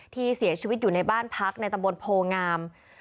ที่เสียชีวิตอยู่ในบ้านพักในตำบลโพงาม